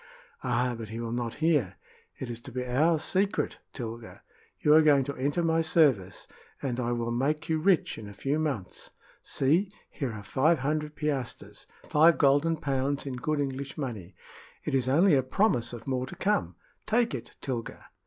"Ah, but he will not hear! It is to be our secret, Tilga. You are going to enter my service, and I will make you rich in a few months. See! here are five hundred piastres five golden pounds in good English money. It is only a promise of more to come. Take it, Tilga."